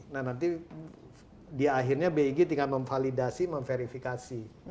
nah nanti di akhirnya big tinggal memvalidasi memverifikasi